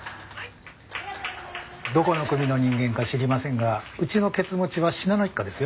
どこの組の人間か知りませんがうちのケツ持ちは信濃一家ですよ。